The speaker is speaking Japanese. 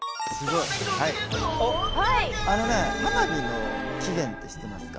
あのね花火の起源って知ってますか？